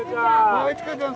ああいちかちゃん